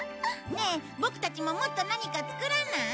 ねえボクたちももっと何か作らない？